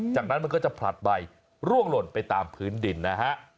จากนั้นมันก็จะผลัดใบร่วงหล่นไปตามพื้นดินนะฮะ